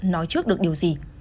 nói trước được điều gì